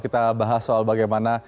kita bahas soal bagaimana